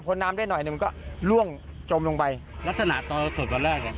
ผลน้ำได้หน่วยมันก็ล่วงจมลงไปลักษณะใส่ตัวเองเป็นแรกเนี้ย